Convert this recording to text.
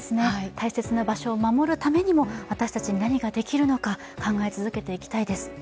大切な場所を守るためにも私たちに何ができるのか、考え続けていきたいです。